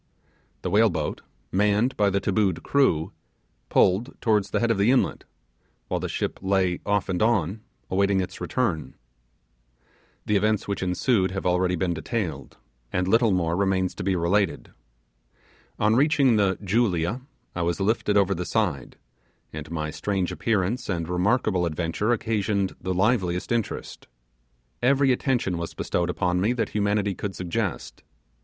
The whale boat, manned by the tabooed crew, pulled towards the head of the inlet, while the ship lay 'off and on' awaiting its return. The events which ensued have already been detailed, and little more remains to be related. On reaching the 'Julia' I was lifted over the side, and my strange appearance and remarkable adventure occasioned the liveliest interest. Every attention was bestowed upon me that humanity could suggest.